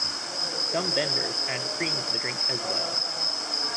Some vendors add cream to the drink as well.